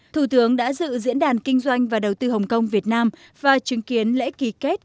thủ tướng đã dự diễn đàn kinh doanh và đầu tư hồng kông việt nam và chứng kiến lễ ký kết